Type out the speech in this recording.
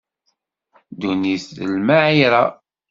Ddunit d lmaɛira.